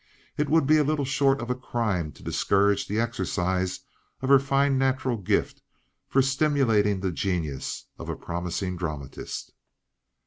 It would be little short of a crime to discourage the exercise of her fine natural gift for stimulating the genius of a promising dramatist.